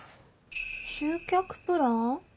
「集客プラン」？